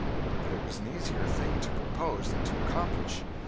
But it was an easier thing to propose than to accomplish.